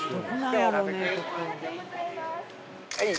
はい。